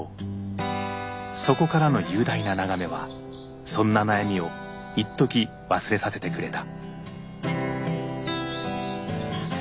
そこからの雄大な眺めはそんな悩みをいっとき忘れさせてくれた。